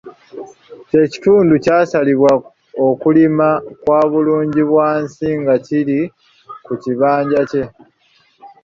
Kye kitundu kyasalirwa okulima kwa bulungibwansi nga kiri ku kibanja kye.